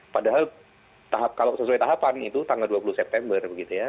padahal kalau sesuai tahapan itu tanggal dua puluh september